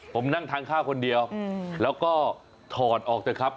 ผมนั่งทานข้าวคนเดียวแล้วก็ถอดออกเถอะครับ